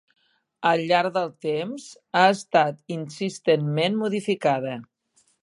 Al llarg del temps ha estat insistentment modificada.